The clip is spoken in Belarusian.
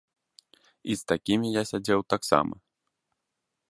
І з такімі я сядзеў таксама.